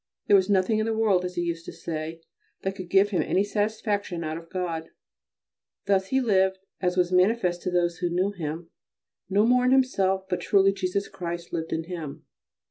There was nothing in the world, as he used to say, that could give him any satisfaction out of God. Thus he lived, as was manifest to those who knew him, no more in himself but truly Jesus Christ lived in him.